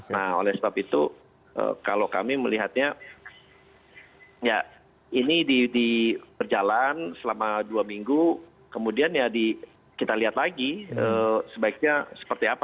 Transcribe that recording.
nah oleh sebab itu kalau kami melihatnya ya ini berjalan selama dua minggu kemudian ya kita lihat lagi sebaiknya seperti apa